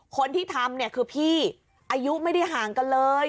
คนที่ทำเนี่ยคือพี่อายุไม่ได้ห่างกันเลย